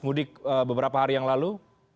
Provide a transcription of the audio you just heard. mudik beberapa hari yang lalu